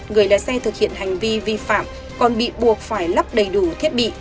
người thực hiện hành vi vi phạm còn bị buộc phải lắp đầy đủ thiết bị